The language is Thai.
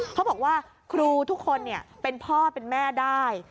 เขาบอกว่าครูทุกคนเป็นพ่อเป็นแม่ได้